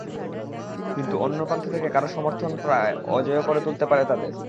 কিন্তু অন্য প্রান্ত থেকে কারও সমর্থন প্রায় অজেয় করে তুলতে পারে তাদের।